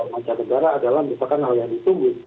dan mancanegara adalah misalkan hal yang ditunggu